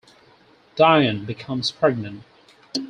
Diane becomes pregnant.